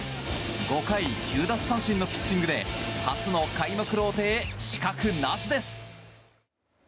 ５回９奪三振のピッチングで初の開幕ローテへ死角なしです。